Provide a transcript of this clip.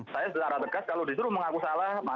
saya secara tegas kalau disuruh mengaku salah